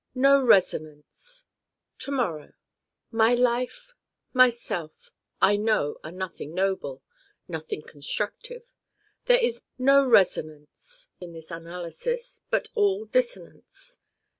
No resonance To morrow My life, myself, I know are nothing noble, nothing constructive. There is no resonance in this analysis, but all Dissonance.